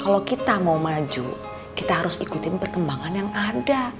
kalau kita mau maju kita harus ikutin perkembangan yang ada